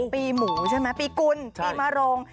ปีหมูใช่ไหมปีกุลปีมะโรง